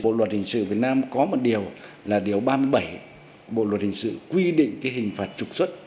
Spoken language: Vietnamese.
bộ luật hình sự việt nam có một điều là điều ba mươi bảy bộ luật hình sự quy định cái hình phạt trục xuất